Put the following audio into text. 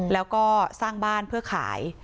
แล้วก็สร้างบ้านเพื่อขาย